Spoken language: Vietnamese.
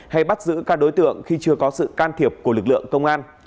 hay bắt giữ các đối tượng khi chưa có sự can thiệp của lực lượng công an